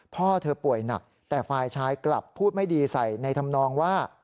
พ่อเธอป่วยหนักแต่ฝ่ายชายกลับพูดไม่ดีใส่ในธรรมนองว่า